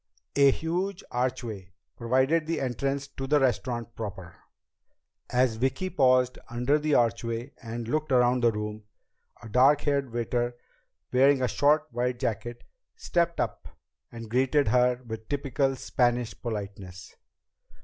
A huge archway provided the entrance to the restaurant proper. As Vicki paused under the archway and looked around the room, a dark haired waiter, wearing a short white jacket, stepped up and greeted her with typical Spanish politeness.